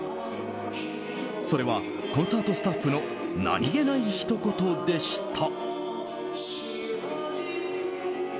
それはコンサートスタッフの何気ないひと言でした。